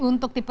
untuk tipe tiga